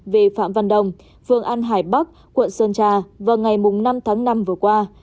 về phạm văn đồng phường an hải bắc quận sơn trà vào ngày năm tháng năm vừa qua